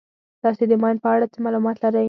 تاسې د ماین په اړه څه معلومات لرئ.